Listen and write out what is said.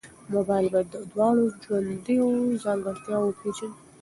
موږ باید د دواړو ژوندونو ځانګړتیاوې وپېژنو.